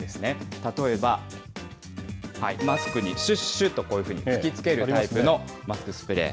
例えば、マスクにしゅっしゅっと、こういうふうに吹きつけるタイプのマスクスプレー。